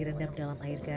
reh dayet dan mantuho